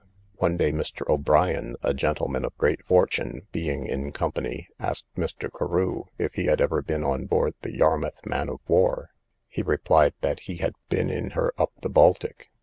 One day Mr. O'Brien, a gentleman of great fortune, being in company, asked Mr. Carew if he had ever been on board the Yarmouth man of war; he replied, that he had been in her up the Baltic.